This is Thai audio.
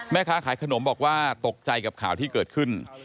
แม่ค้าขายขนมบอกว่าตกใจกับข่าวที่เกิดขึ้น